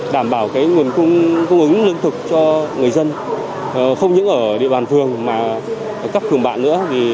đảm bảo nguồn cung ứng lương thực cho người dân không những ở địa bàn phường mà cấp thường bạn nữa